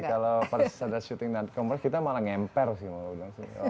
kalau pada saat syuting non commer kita malah ngempar sih